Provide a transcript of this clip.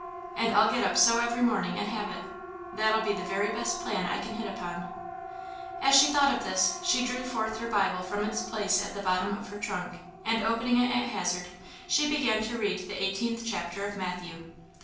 And I'll get up so every morning and have it! that'll be the very best plan I can hit upon." As she thought this, she drew forth her Bible from its place at the bottom of her trunk; and opening it at hazard, she began to read the l8th chapter of Matthew.